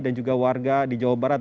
dan juga warga di jawa barat